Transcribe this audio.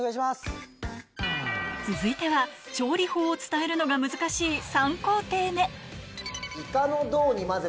続いては調理法を伝えるのが難しい